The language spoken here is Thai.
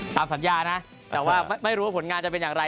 ตามสัญญานะแต่ว่าไม่รู้ว่าผลงานจะเป็นอย่างไร